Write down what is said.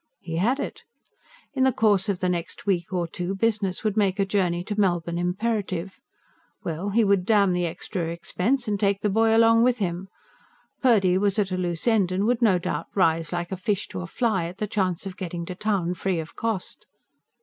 He had it! In the course of the next week or two business would make a journey to Melbourne imperative. Well, he would damn the extra expense and take the boy along with him! Purdy was at a loose end, and would no doubt rise like a fish to a fly at the chance of getting to town free of cost.